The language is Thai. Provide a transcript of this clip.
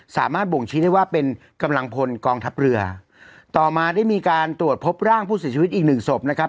บ่งชี้ได้ว่าเป็นกำลังพลกองทัพเรือต่อมาได้มีการตรวจพบร่างผู้เสียชีวิตอีกหนึ่งศพนะครับ